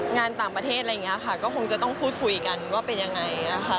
งานต่างประเทศอะไรอย่างนี้ค่ะก็คงจะต้องพูดคุยกันว่าเป็นยังไงนะคะ